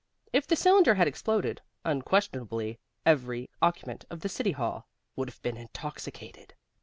If the cylinder had exploded, unquestionably every occupant of the City Hall would have been intoxicated.